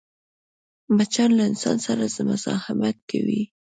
مچان له انسان سره مزاحمت کوي